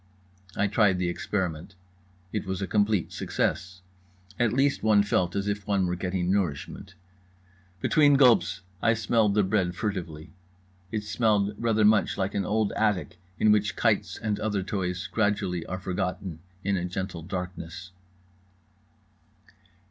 I tried the experiment. It was a complete success. At least one felt as if one were getting nourishment. Between gulps I smelled the bread furtively. It smelled rather much like an old attic in which kites and other toys gradually are forgotten in a gentle darkness.